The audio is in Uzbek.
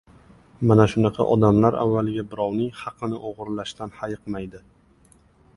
Mana shunaqa odamlar avvaliga birovning haqini oʻgʻirlashdan hayiqmaydi.